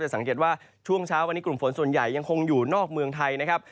สังเกตว่าช่วงเช้าวันนี้กลุ่มฝนส่วนใหญ่ยังคงอยู่นอกเมืองไทยนะครับ